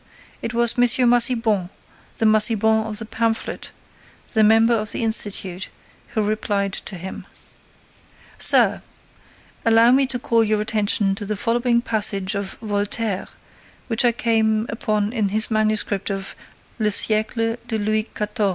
It was M. Massiban, the Massiban of the pamphlet, the member of the Institute, who replied to him: SIR: Allow me to call your attention to the following passage of Voltaire, which I came upon in his manuscript of Le Siècle de Louis XIV.